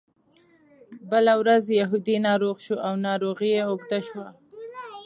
بله ورځ یهودي ناروغ شو او ناروغي یې اوږده شوه.